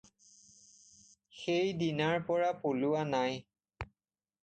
সেই দিনাৰ পৰা পলোৱা নাই।